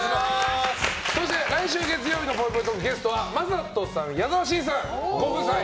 そして、来週月曜日のぽいぽいトークのゲストは魔裟斗さん、矢沢心さんご夫妻